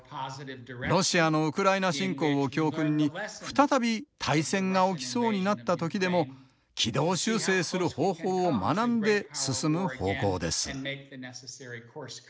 ロシアのウクライナ侵攻を教訓に再び大戦が起きそうになった時でも軌道修正する方法を学んで進む方向です。